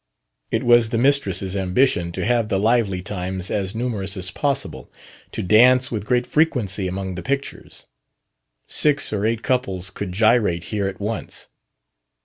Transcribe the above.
It was the mistress' ambition to have the lively times as numerous as possible to dance with great frequency among the pictures. Six or eight couples could gyrate here at once.